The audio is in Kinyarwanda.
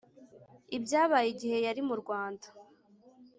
ibyabaye igihe yari mu rwanda